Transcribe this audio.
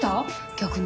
逆に？